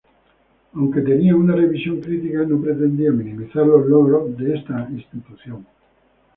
Aunque tenía una revisión crítica, no pretendía minimizar los logros de esta institución.